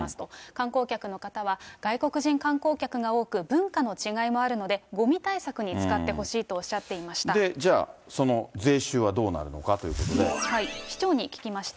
観光客の方は外国人観光客が多く、文化の違いもあるので、ごみ対策に使ってほしいとおっしゃっていじゃあ、その税収はどうなる市長に聞きました。